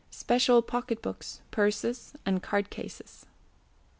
SPECIAL POCKET BOOKS, PURSES, AND CARD CASES.